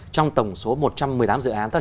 trong tổng số một trăm một mươi tám dự án